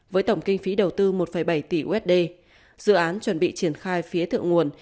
với tổng kinh phí đầu tư một bảy tỷ usd dự án chuẩn bị triển khai phía thượng nguồn